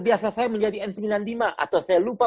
biasa saya menjadi n sembilan puluh lima atau saya lupa